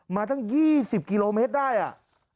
มาตั้ง๒๐กิโลเมตรได้อ่ะ